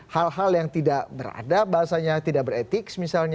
hal hal yang tidak berada bahasanya tidak beretik misalnya